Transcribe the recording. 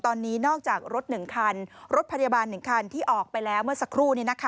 ตอนนี้นอกจากรถ๑คันรถพยาบาล๑คันที่ออกไปแล้วเมื่อสักครู่